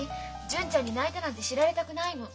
純ちゃんに泣いたなんて知られたくないの。